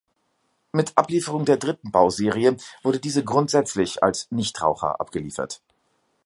Mit Ablieferung der dritten Bauserie wurde diese grundsätzlich als „Nichtraucher“ abgeliefert.